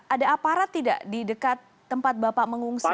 ada aparat tidak di dekat tempat bapak mengungsi